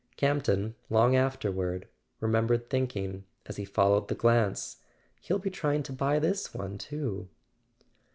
Campton, long afterward, remembered thinking, as he followed the glance: "He'll be trying to buy this one too!"